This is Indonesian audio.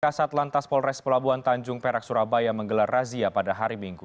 kasat lantas polres pelabuhan tanjung perak surabaya menggelar razia pada hari minggu